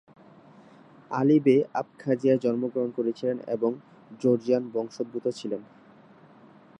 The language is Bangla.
আলী বে আবখাজিয়ায় জন্মগ্রহণ করেছিলেন এবং জর্জিয়ান বংশোদ্ভূত ছিলেন।